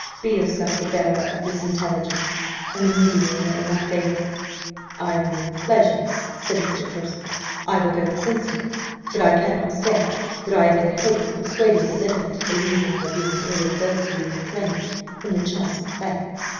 Be yourself the bearer of this intelligence, and the mediator in my favour." "I will with pleasure," said Mr. Percival; "I will go this instant: but I cannot say that I have any hope of persuading Belinda to believe in your being irrevocably reclaimed from the charms of play."